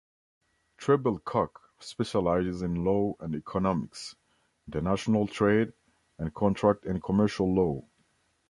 Trebilcock specializes in law and economics, international trade and contract and commercial law.